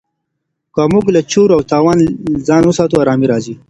که موږ له چور او تالان ځان وساتو ارامي راځي.